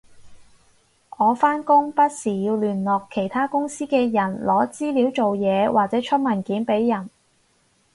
我返工不時要聯絡其他公司嘅人攞資料做嘢或者出文件畀人